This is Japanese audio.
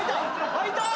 開いた！